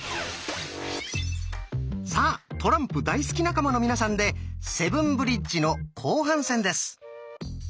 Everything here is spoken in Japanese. さあトランプ大好き仲間の皆さんで「セブンブリッジ」の後半戦です！